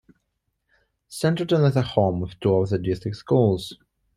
Centerton is home of two of the district's schools.